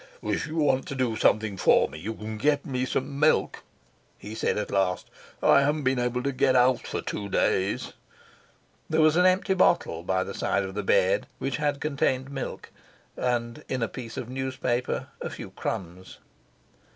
"If you want to do something for me, you can get me some milk," he said at last. "I haven't been able to get out for two days." There was an empty bottle by the side of the bed, which had contained milk, and in a piece of newspaper a few crumbs.